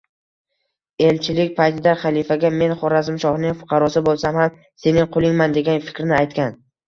Elchilik paytida xalifaga “Men Xorazmshohning fuqarosi boʻlsam ham sening qulingman”, degan fikrni aytgan